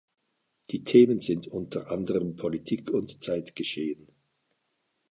Die Themen sind unter anderem Politik und Zeitgeschehen.